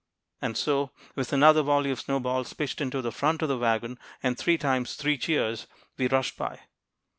And so, with another volley of snowballs pitched into the front of the wagon, and three times three cheers, we rushed by.